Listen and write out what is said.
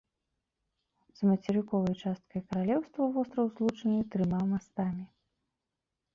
З мацерыковай часткай каралеўства востраў злучаны трыма мастамі.